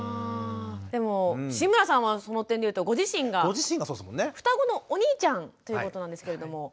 でも志村さんはその点で言うとご自身がふたごのお兄ちゃんということなんですけれども。